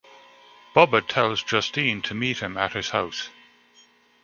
Bubba tells Justine to meet him at his house.